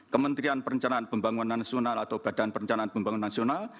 kementerian perencanaan pembangunan nasional atau badan perencanaan pembangunan nasional